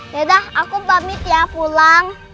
yaudah aku pamit ya pulang